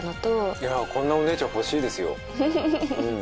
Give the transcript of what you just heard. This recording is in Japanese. いやこんなお姉ちゃん欲しいですようん。